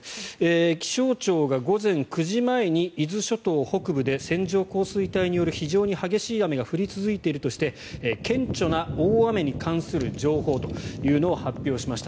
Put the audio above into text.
気象庁が午前９時前に伊豆諸島北部で線状降水帯による非常に激しい雨が降り続いているとして顕著な大雨に関する情報を発表しました。